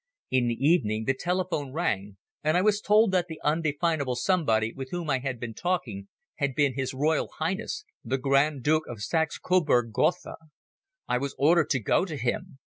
In the evening the telephone rang and I was told that the undefinable somebody with whom I had been talking had been His Royal Highness, the Grand Duke of Saxe Coburg Gotha. I was ordered to go to him.